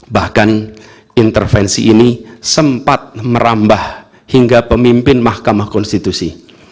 bahkan intervensi ini sempat merambah hingga pemimpin mahkamah konstitusi